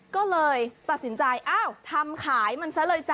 ก็เลยตัดสินใจอ้าวทำขายมันซะเลยจ้